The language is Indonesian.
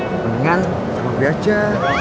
mendingan sama gue aja